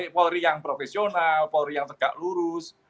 polri yang profesional polri yang tegak lurus